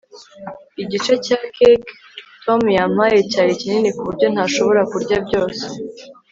igice cya cake tom yampaye cyari kinini kuburyo ntashobora kurya byose